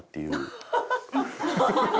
ハハハハ！